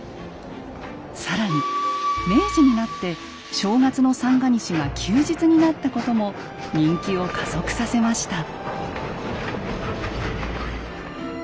更に明治になって正月の三が日が休日になったことも人気を加速させました。